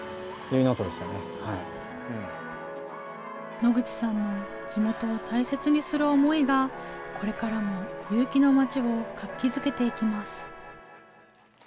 野口さんの地元を大切にする思いが、これからも結城の街を活気づけていきます。